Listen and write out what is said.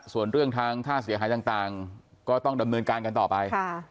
ส่วนเรื่องทางค่าเสียหายต่างก็ต้องดำเนินการกันต่อไป